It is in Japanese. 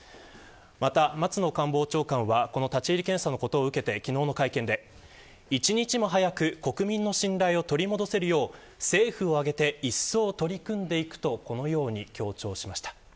また松野官房長官はこの立ち入り検査のことを受けて昨日の会見で１日も早く国民の信頼を取り戻せるよう、政府を挙げていっそう取り組んでいくと強調しました。